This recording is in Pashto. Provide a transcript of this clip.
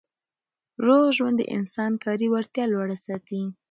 روغ ژوند د انسان کاري وړتیا لوړه ساتي.